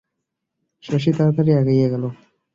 শশী তাড়াতাড়ি আগাইয়া গেল।